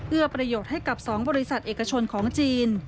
เอื้อประโยชน์ให้กับสองบริษัทเอกชนของจีน